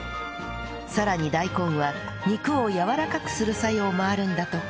さらに大根は肉をやわらかくする作用もあるんだとか